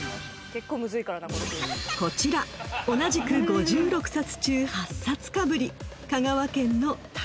［こちら同じく５６冊中８冊かぶり］